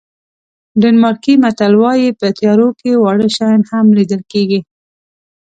ډنمارکي متل وایي په تیارو کې واړه شیان هم لیدل کېږي.